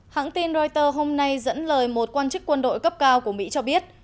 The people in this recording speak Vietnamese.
hãng tin reuters hôm nay dẫn lời một quan chức quân đội cấp cao của mỹ cho biết